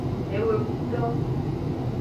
Eweduto.